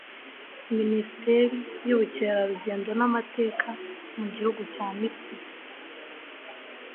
Minisiteri y'Ubukerarugendo n'Amateka mu gihugu cya Misiri